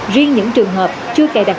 riêng những trường hợp chưa cài đặt